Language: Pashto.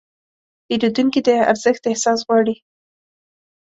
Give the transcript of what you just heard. پیرودونکي د ارزښت احساس غواړي.